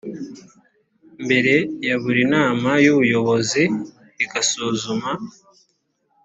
mbere ya buri nama y ubuyobozi igasuzuma